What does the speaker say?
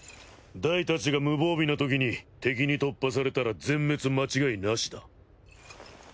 ダイたちが無防備なときに敵に突破されたら全滅間違いなしだ。